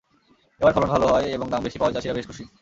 এবার ফলন ভালো হওয়ায় এবং দাম বেশি পাওয়ায় চাষিরা বেশ খুশি।